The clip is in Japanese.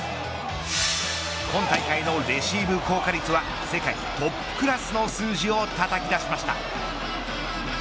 今大会のレシーブ効果率は世界トップクラスの数字をたたき出しました。